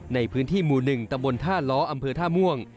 ในพื้นที่หมู่๑ตำบลท่าล้ออำเภอท่าม่วง